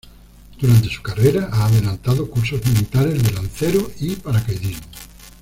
Durante su carrera ha adelantado cursos militares de lancero y paracaidismo.